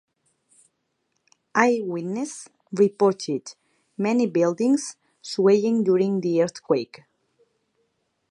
Eyewitness reported many buildings swaying during the earthquake.